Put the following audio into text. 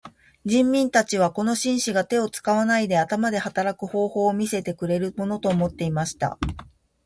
人民たちはこの紳士が手を使わないで頭で働く方法を見せてくれるものと思っていました。